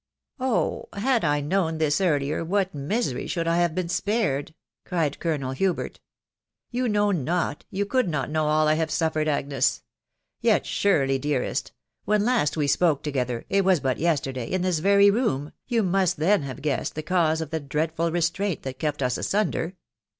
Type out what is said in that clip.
" Oh ! had' I known this earlier, \ftia.t xcftaerj \5wssSS^ "V have been spared !" cried Colonel HubeiU " Xovk^ass^ \% I l 482 THE WIDOW BABNABY. you could not know all I have suffered, Agnes .... ye* surely, dearest ! when last we spoke together, it was baft yes terday, in this very room, you must then have guessed the cause of the dreadful restraint that kept us asunder.